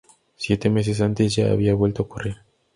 Siete meses antes ya había vuelto a ocurrir.